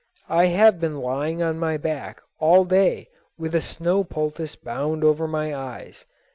I have been lying on my back all day with a snow poultice bound over my eyes.